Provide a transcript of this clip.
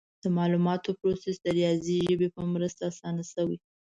د معلوماتو پروسس د ریاضي ژبې په مرسته اسانه شوی.